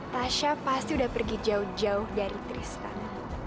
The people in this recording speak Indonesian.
tasha pasti sudah pergi jauh jauh dari tristan